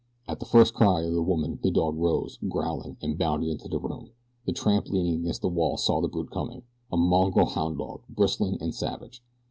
At the first cry of the woman the dog rose, growling, and bounded into the room. The tramp leaning against the wall saw the brute coming a mongrel hound dog, bristling and savage.